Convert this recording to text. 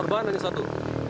korban hanya satu